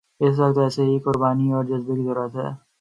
اس وقت ویسی ہی قربانی اور جذبے کی ضرورت ہے